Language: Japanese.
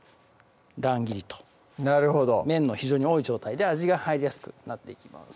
乱切りとなるほど面の非常に多い状態で味が入りやすくなっていきます